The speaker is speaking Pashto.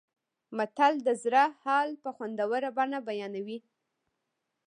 متل د زړه حال په خوندوره بڼه بیانوي